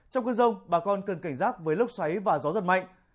trong cơn rông bà con cần cảnh giác với lốc xoáy và gió giật mạnh